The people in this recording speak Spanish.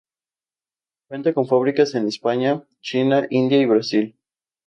Cuenta con fábricas en España, China, India y Brasil.